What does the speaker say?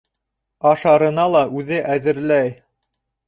Ашарына ла үҙе әҙерләй.